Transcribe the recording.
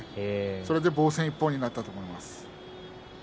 それで防戦一方になったと思います。